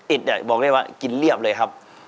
อิดเนี่ยบอกเลยว่ากินเรียบเลยครับ